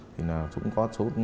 thì cũng có